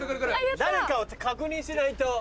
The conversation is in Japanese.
誰かを確認しないと。